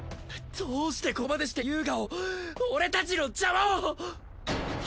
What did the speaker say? どうしてここまでして遊我を俺たちの邪魔を！？